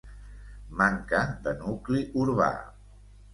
Manca de nucli urbà.